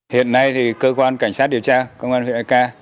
hiện nay thì cơ quan cảnh sát điều tra công an huyện hnk